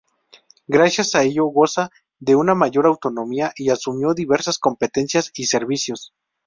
Gracias a ello goza de una mayor autonomía y asumió diversas competencias y servicios.